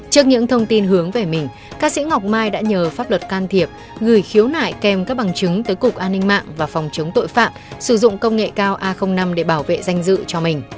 trước những thông tin hướng về mình ca sĩ ngọc mai đã nhờ pháp luật can thiệp gửi khiếu nại kèm các bằng chứng tới cục an ninh mạng và phòng chống tội phạm sử dụng công nghệ cao a năm để bảo vệ danh dự cho mình